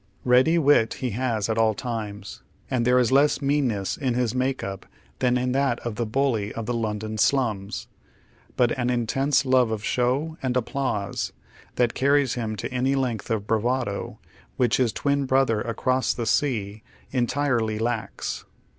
Ready wit he has at all times, and there is less meaniiess hi his make up than in that of tiie bully of the London slums; but an intense love of show and applause, that carries him to any length of bravado, whicli his twin brother across the sea entii ely lacks.